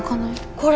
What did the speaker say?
これ。